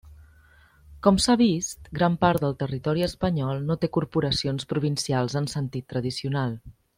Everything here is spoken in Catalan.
Com s'ha vist, gran part del territori espanyol no té corporacions provincials en sentit tradicional.